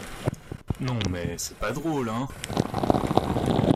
Non mais c’est pas drôle, hein!